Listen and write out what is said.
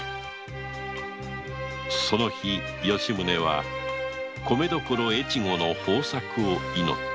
その日吉宗は米どころ越後の豊作を祈った